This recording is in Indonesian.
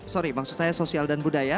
sorry maksud saya sosial dan budaya